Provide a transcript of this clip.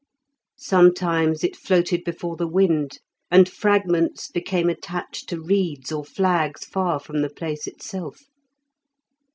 Sometimes it floated before the wind, and fragments became attached to reeds or flags far from the place itself.